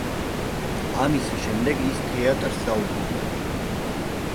ამის შემდეგ ის თეატრს დაუბრუნდა.